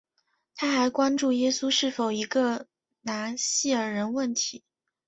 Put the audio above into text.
它还关注耶稣是否是一个拿细耳人问题。